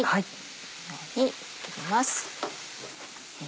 このように切ります。